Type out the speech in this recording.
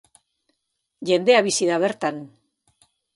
Jendea bizi da bertan.